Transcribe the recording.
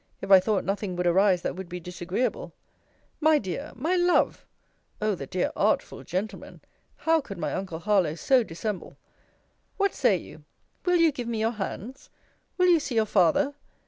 If I thought nothing would arise that would be disagreeable My dear! my love! [O the dear artful gentleman! how could my uncle Harlowe so dissemble?] What say you? Will you give me your hands? Will you see your father?